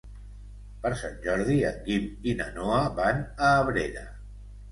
Per Sant Jordi en Guim i na Noa van a Abrera.